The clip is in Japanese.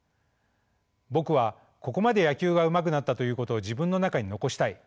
僕はここまで野球がうまくなったということを自分の中に残したい。